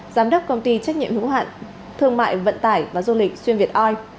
giám đốc công ty trách nhiệm hữu hạn thương mại vận tải và du lịch xuyên việt oi